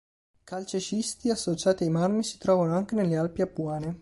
Calcescisti associati ai marmi si trovano anche nelle Alpi Apuane.